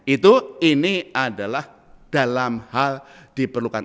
itu ini adalah dalam hal diperlukan